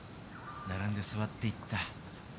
並んで座って行った。